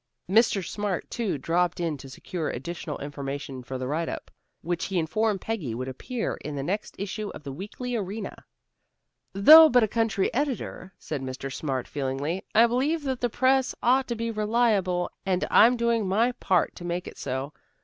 Mr. Smart, too, dropped in to secure additional information for the write up, which he informed Peggy would appear in the next issue of the Weekly Arena. "Though but a country editor," said Mr. Smart feelingly, "I believe that the Press ought to be reliable, and I'm doing my part to make it so.